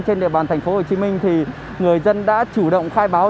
trên địa bàn tp hcm thì người dân đã chủ động khai báo